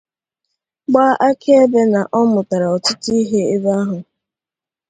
gbáá akaebe na ọ mụtàrà ọtụtụ ihe n'ebe ahụ